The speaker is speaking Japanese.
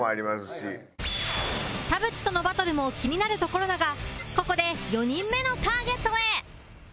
田渕とのバトルも気になるところだがここで４人目のターゲットへ